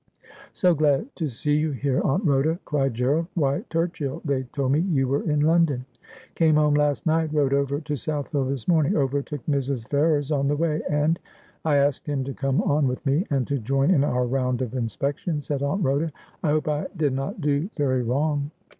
' So glad to see you here, Aunt Rhoda,' cried Gerald. ' Why, Turchill, they told me you were in London !'' Came home last night, rode over to South Hill this morn ing, overtook Mrs. Ferrers on the way, and '' I asked him to come on with me and to join in our round of inspection,' said Aunt Rhoda. 'I hope I did not do very wrong.'